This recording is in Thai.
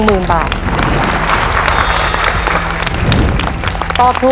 คุณฝนจากชายบรรยาย